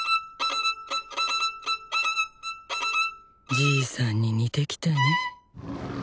じいさんに似てきたね。